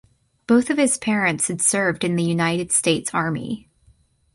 Both of his parents had served in the United States Army.